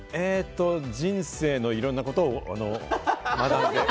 人生のいろんなことを学んで。